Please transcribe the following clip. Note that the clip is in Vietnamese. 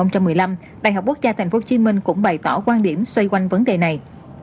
trong một mươi năm đại học quốc gia tp hcm cũng bày tỏ quan điểm xoay quanh vấn đề này